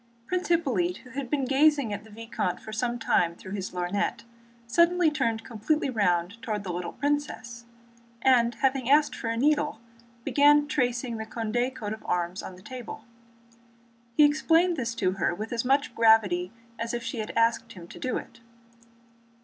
Prince Hippolyte, who had been gazing at the vicomte for some time through his lorgnette, suddenly turned completely round toward the little princess, and having asked for a needle began tracing the Condé coat of arms on the table. He explained this to her with as much gravity as if she had asked him to do it.